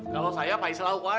kalau saya pais lauk aja